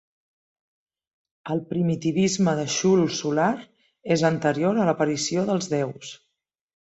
El primitivisme de XUL solar és anterior a l'aparició dels déus.